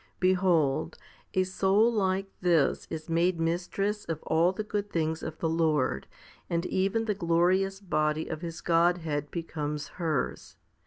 Behold, a soul like this is made mistress of all the good things of the Lord, and even the glorious body of His Godhead becomes hers.